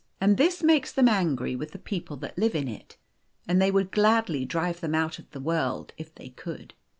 And this makes them .Higry with the people that live in it, and they would gladly drive them out of the world if they could.